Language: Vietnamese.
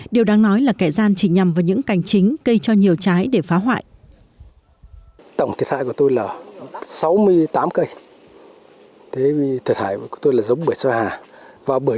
điều đáng nói là kẻ gian chỉ nhằm vào những cành chính cây cho nhiều trái để phá hoại